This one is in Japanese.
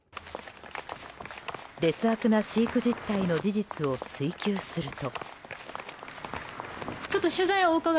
劣悪な飼育実態の事実を追及すると。